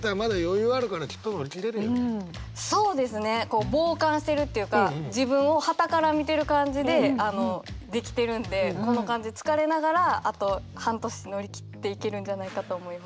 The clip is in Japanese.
こう傍観してるっていうか自分をはたから見てる感じでできてるんでこの感じつかれながらあと半年乗り切っていけるんじゃないかと思います。